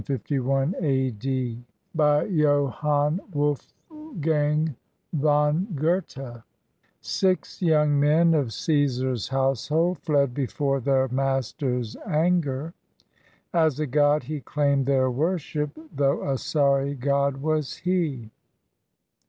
] BY JOHANN WOLFGANG VON GOETHE Six young men of Caesar's household Fled before their master's anger; As a god he claimed their worship, Though a sorry god was he.